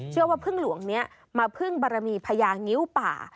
เชื่อว่าพึ่งหลวงนี้มาพึ่งบารมีพญางิ้วป่า